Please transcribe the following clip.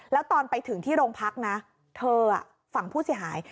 แล้วตอนไปถึงที่โรงพักนะเธอฝั่งผู้เสียหาย